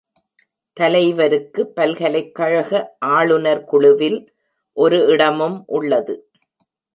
தலைவருக்கு பல்கலைக்கழக ஆளுநர் குழுவில் ஒரு இடமும் உள்ளது.